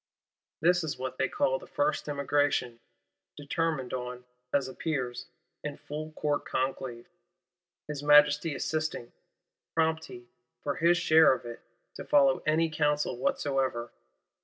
This is what they call the First Emigration; determined on, as appears, in full Court conclave; his Majesty assisting; prompt he, for his share of it, to follow any counsel whatsoever.